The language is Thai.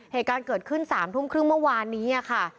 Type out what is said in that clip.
เหตุการณ์เกิดขึ้น๓ทุ่มครึ่งเมื่อวานนี้ค่ะ